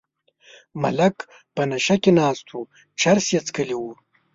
ملک په نشه کې ناست و چرس یې څکلي وو.